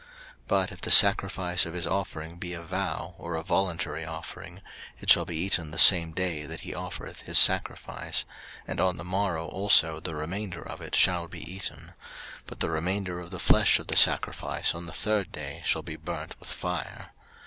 03:007:016 But if the sacrifice of his offering be a vow, or a voluntary offering, it shall be eaten the same day that he offereth his sacrifice: and on the morrow also the remainder of it shall be eaten: 03:007:017 But the remainder of the flesh of the sacrifice on the third day shall be burnt with fire.